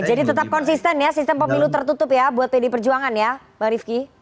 jadi tetap konsisten ya sistem pemilu tertutup ya buat pdi perjuangan ya bang rifki